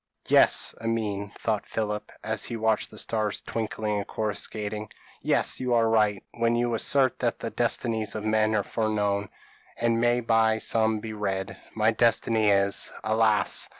p> "Yes, Amine," thought Philip, as he watched the stars twinkling and coruscating; "yes, you are right, when you assert that the destinies of men are foreknown, and may by some be read. My destiny is, alas!